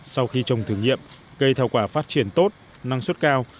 sau khi trồng thử nghiệm cây thảo quả phát triển tốt năng suất cao